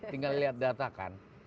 tinggal lihat data kan